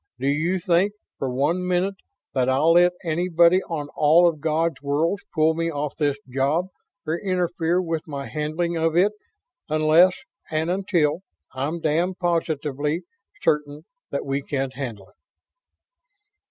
"Do you think, for one minute, that I'll let anybody on all of God's worlds pull me off of this job or interfere with my handling of it unless and until I'm damned positively certain that we can't handle it?"